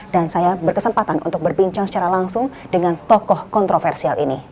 dan saya berkesempatan untuk berbincang secara langsung dengan tokoh kontroversi